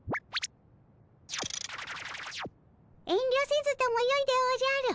遠慮せずともよいでおじゃる。